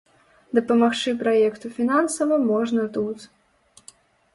Дапамагчы праекту фінансава можна тут.